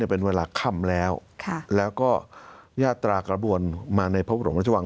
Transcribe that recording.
เป็นเวลาค่ำแล้วแล้วก็ยาตรากระบวนมาในพระบรมราชวัง